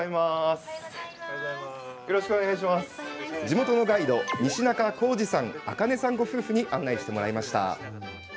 地元出身のガイド西中甲児さん、あかねさんご夫婦に案内してもらいました。